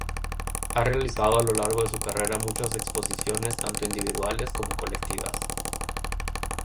Ha realizado a lo largo de su carrera muchas exposiciones tanto individuales como colectivas.